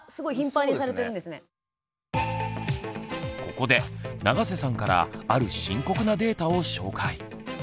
ここで永瀬さんからある深刻なデータを紹介。